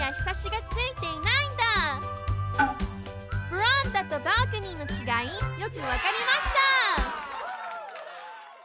ベランダとバルコニーのちがいよくわかりました！